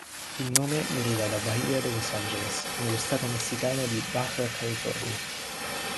Il nome deriva da Bahia de los Angeles, nello stato messicano di Baja California.